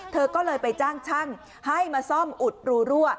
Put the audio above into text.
เธอก็เลยไปจ้างช่างให้มาซ่อมอุดรูรั่ว